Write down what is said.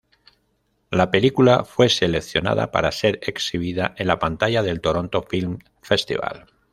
La película fue seleccionada para ser exhibida en la pantalla del Toronto Film Festival.